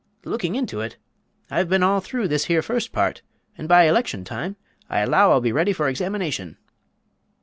"Looking into it! I have been all through this here fust part; and by election time, I allow I'll be ready for examination."